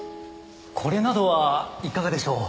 これなどはいかがでしょう？